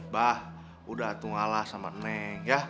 bah udah tunggalah sama neng ya